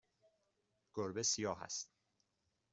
گربه سیاه است.